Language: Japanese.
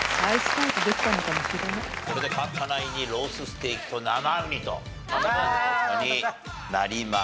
これで勝ったナインにロースステーキと生うにという事になります。